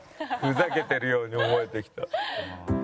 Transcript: ふざけてるように思えてきた。